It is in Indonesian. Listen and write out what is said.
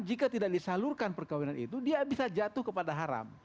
jika tidak disalurkan perkawinan itu dia bisa jatuh kepada haram